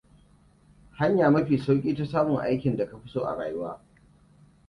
Hanya mafi sauki ta samun aikin da ka fi so a rayuwa!